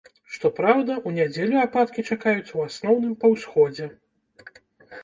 Што праўда, у нядзелю ападкі чакаюцца ў асноўным па ўсходзе.